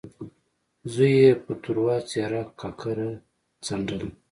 زوی يې په تروه څېره ککره څنډله.